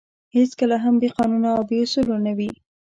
هېڅکله هم بې قانونه او بې اُصولو نه وې.